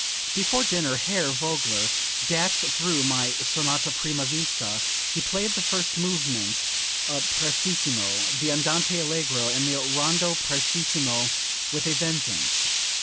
"Before dinner Herr Vogler dashed through my sonata prima vista. He played the first movement prestissimo, the andante allegro and the rondo prestissimo with a vengeance.